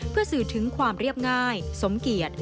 เพื่อสื่อถึงความเรียบง่ายสมเกียจ